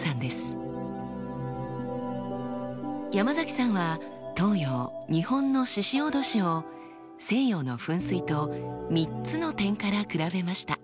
山崎さんは東洋日本の鹿おどしを西洋の噴水と３つの点から比べました。